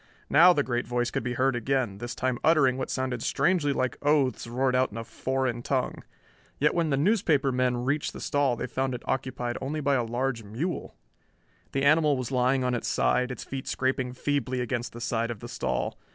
Now the great voice could be heard again, this time uttering what sounded strangely like oaths roared out in a foreign tongue. Yet when the newspaper men reached the stall they found it occupied only by a large mule. The animal was lying on its side, its feet scraping feebly against the side of the stall.